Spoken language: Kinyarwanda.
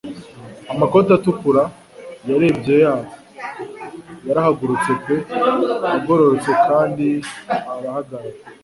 Amakoti atukura yarebye yabo! Yarahagurutse pe agororotse kandi arahagarara!